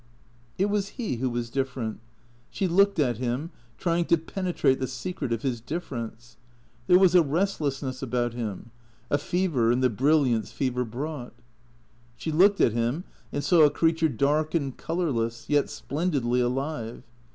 It was he who was different. She looked at him, trying to penetrate the secret of his difference. There was a restlessness about him, a fever and the brilliance fever brought. She looked at him and saw a creature dark and colourless, yet splendidly alive.